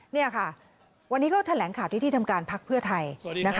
นี่ค่ะวันนี้ก็แถลงข่าวที่ที่ทำการพักเพื่อไทย